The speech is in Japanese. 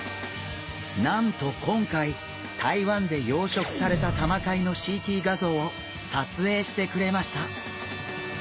なんと今回台湾で養殖されたタマカイのＣＴ画像を撮影してくれました。